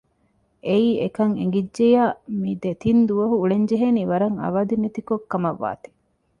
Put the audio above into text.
އެއީ އެކަން އެނގިއްޖެއްޔާ މި ދެތިން ދުވަހު އުޅެންޖެހޭނީ ވަރަށް އަވަދިނެތި ކޮށް ކަމަށް ވާތީ